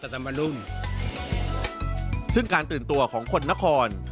ซึ่งการตื่นตัวของคนนคร